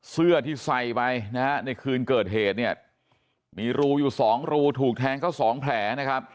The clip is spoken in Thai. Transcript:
เสื้อที่ใส่ไปในคืนเกิดเหตุมีรูอยู่๒รูถูกแทงก็๒แผล